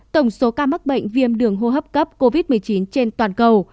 tổng số ca mắc bệnh viêm đường hô hấp cấp covid một mươi chín trên toàn cầu